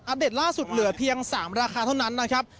เดตล่าสุดเหลือเพียง๓ราคาเท่านั้นนะครับ